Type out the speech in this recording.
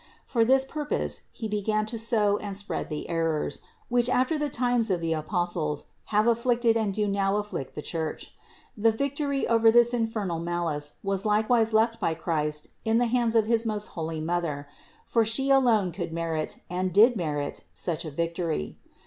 For this purpose he began to sow and spread the errors, which after the times of the Apostles have afflicted and do now afflict the Church. The vic tory over this infernal malice was likewise left by Christ in the hands of his most holy Mother : for She alone could merit, and did merit, such a victory.